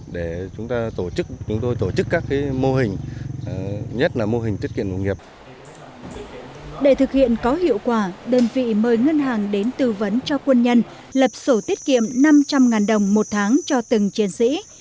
để thực hiện có hiệu quả đơn vị mời ngân hàng đến tư vấn cho quân nhân lập sổ tiết kiệm năm trăm linh đồng một tháng cho từng chiến sĩ